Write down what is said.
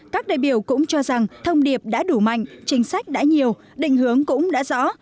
các đại biểu cũng cho rằng thông điệp đã đủ mạnh chính sách đã nhiều đình hướng cũng đã rõ